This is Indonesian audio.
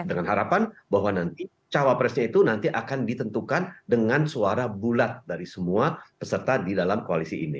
dengan harapan bahwa nanti cawapresnya itu nanti akan ditentukan dengan suara bulat dari semua peserta di dalam koalisi ini